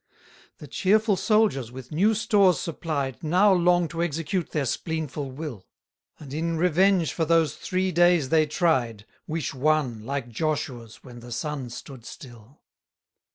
118 The cheerful soldiers, with new stores supplied, Now long to execute their spleenful will; And, in revenge for those three days they tried, Wish one, like Joshua's, when the sun stood still.